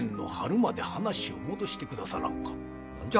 何じゃ？